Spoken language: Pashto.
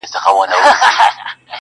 • چي زه به څرنگه و غېږ ته د جانان ورځمه.